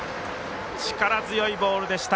力強いボールでした。